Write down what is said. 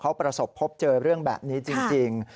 เขาประสบพบเจอเรื่องแบบนี้จริง